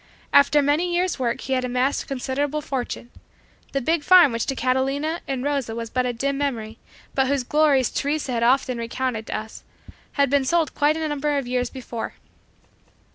After many years' work he had amassed a considerable fortune. The big farm which to Catalina and Rosa was but a dim memory, but whose glories Teresa had often recounted to us, had been sold quite a number of years before.